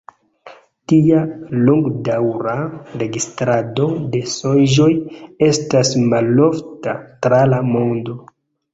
Tia longdaŭra registrado de sonĝoj estas malofta tra la mondo.